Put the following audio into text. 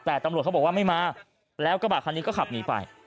แต่ตำรวจเขาบอกว่าไม่มาแล้วกระบะคันนี้ก็ขับหนีไป